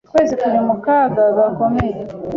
Twese turi mu kaga gakomeye.